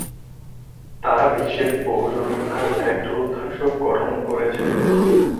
তারা বিশ্বের পৌর জনসংখ্যার এক-চতুর্থাংশ গঠন করেছে।